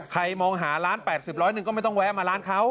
ใครมองหาร้าน๘๐๑๐๐นึงก็ไม่ต้องแวะมาร้านเขา